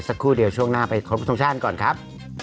สักครู่เดียวช่วงหน้าไปขอบคุณผู้ช่องชาญก่อนครับ